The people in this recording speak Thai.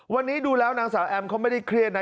วันนี้ดูแล้วนางสาวแอมเขาไม่ได้เครียดนะ